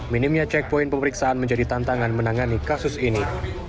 minimnya checkpoin pemeriksaan menjadi tantangan menangani kasus ini